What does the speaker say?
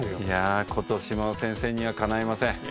ことしも先生にはかないません。